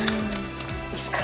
いいっすか？